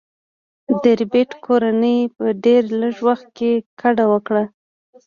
د ربیټ کورنۍ په ډیر لږ وخت کې کډه وکړه